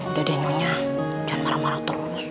udah dia nyonya jangan marah marah terus